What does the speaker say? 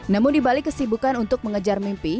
namun di balik kesibukan untuk mengejar mimpi